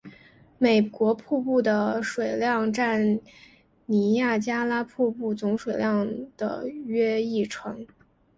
美国瀑布的水量占尼亚加拉瀑布总水量的约一成。